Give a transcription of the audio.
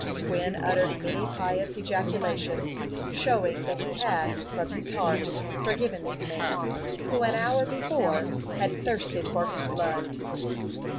Quin uttered many pious ejaculations, showing that he had, from his heart, forgiven this man, who, an hour before, had thirsted for his blood.